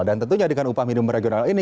dan tentunya dengan upah minimum regional ini